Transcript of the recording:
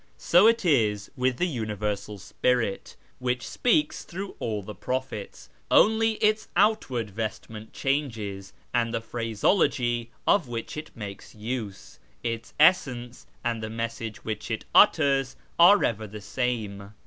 So it is with the Universal Spirit, which speaks through all the prophets : only its outward vestment changes, and the phraseology of which it makes use ; its essence and the message which it utters are ever the same.